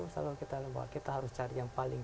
selalu kita harus cari yang paling